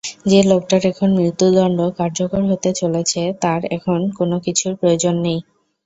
যে লোকটার এখন মৃত্যুদন্ড কার্যকর হতে চলেছে তার এখন কোনো কিছুর প্রয়োজন নেই।